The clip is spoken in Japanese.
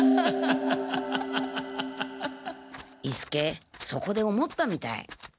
伊助そこで思ったみたい。